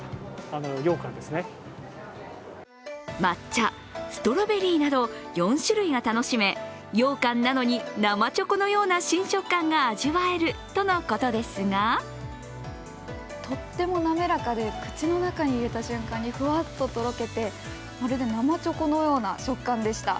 抹茶、ストロベリーなど４種類が楽しめ、ようかんなのに生チョコのような新食感が味わえるとのことですがとってもなめらかで、口の中に入れた瞬間、ふわっととろけて、まるで生チョコのような食感でした。